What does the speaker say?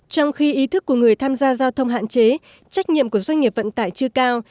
trong khi ý thức của người tham gia giao thông hạn chế trách nhiệm của doanh nghiệp vận tải chưa cao